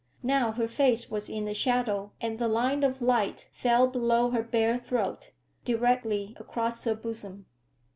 Now her face was in the shadow and the line of light fell below her bare throat, directly across her bosom.